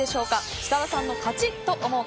設楽さんの勝ちと思う方